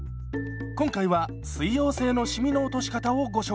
今回は水溶性のシミの落とし方をご紹介します。